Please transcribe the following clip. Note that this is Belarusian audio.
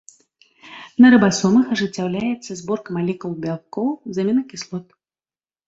На рыбасомах ажыццяўляецца зборка малекул бялкоў з амінакіслот.